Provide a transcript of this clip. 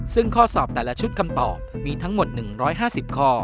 ซึ่งข้อสอบแต่ละชุดคำตอบมีทั้งหมด๑๕๐ข้อ